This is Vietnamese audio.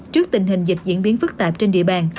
trước tình hình dịch diễn biến phức tạp trên địa bàn